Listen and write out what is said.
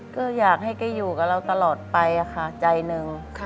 ก็อยากให้แกอยู่กับเราตลอดไปค่ะใจหนึ่ง